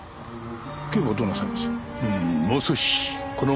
警部はどうなさいます？